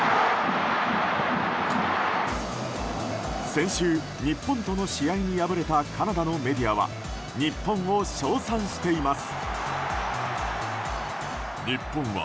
先週、日本との試合に敗れたカナダのメディアは日本を称賛しています。